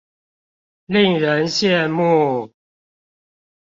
令人羡慕